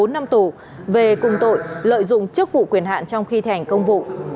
bốn năm tù về cùng tội lợi dụng trước vụ quyền hạn trong khi thi hành công vụ